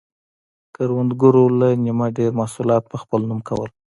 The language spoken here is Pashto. کروندګرو له نییمه ډېر محصولات په خپل نوم کول.